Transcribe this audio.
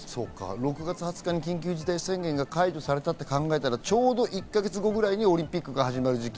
６月２０日に緊急事態宣言が解除されたと考えたら、ちょうど１か月後ぐらいにオリンピックが始まる時期。